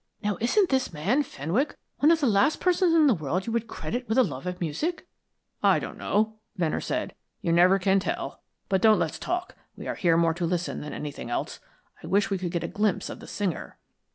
"Now isn't this man Fenwick one of the last persons in the world you would credit with a love of music?" "I don't know," Venner said. "You never can tell. But don't let's talk. We are here more to listen than anything else. I wish we could get a glimpse of the singer."